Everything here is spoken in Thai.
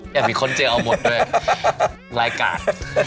อยากมีคนเจอเอาหมดเลยรายการ